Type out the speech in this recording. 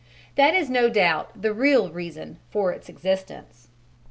That is no doubt the real reason for its existence.